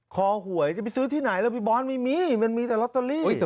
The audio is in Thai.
หวยจะไปซื้อที่ไหนแล้วพี่บอลไม่มีมันมีแต่ลอตเตอรี่